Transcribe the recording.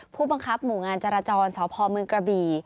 ผู้บังคับหมู่งานจราจรสพเมืองกระบี่